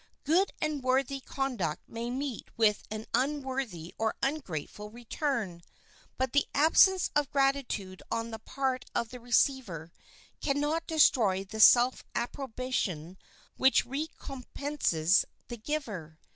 Good and worthy conduct may meet with an unworthy or ungrateful return; but the absence of gratitude on the part of the receiver can not destroy the self approbation which recompenses the giver.